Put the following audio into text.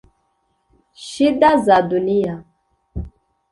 ‘Shida za Dunia’